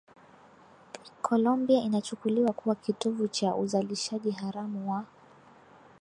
iColombia inachukuliwa kuwa kitovu cha uzalishaji haramu wa